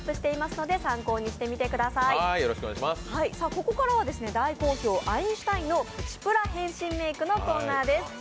ここからは大好評、アインシュタインのプチプラ変身メークのコーナーです。